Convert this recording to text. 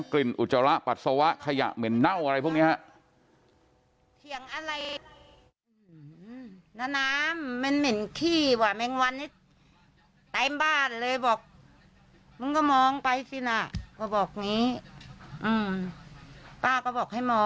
อุจจาระปัสสาวะขยะเหม็นเน่าอะไรพวกนี้ฮะ